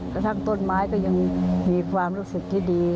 กระทั่งต้นไม้ก็ยังมีความรู้สึกที่ดี